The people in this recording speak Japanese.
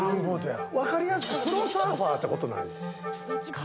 わかりやすくプロサーファーってことない？